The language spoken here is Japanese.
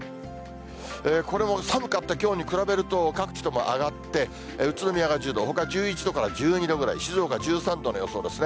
これも寒かったきょうに比べると、各地とも上がって、宇都宮が１０度、ほか１１度から１２度ぐらい、静岡は１３度の予想ですね。